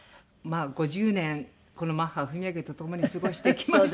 ５０年このマッハ文朱と共に過ごしてきましたけれども。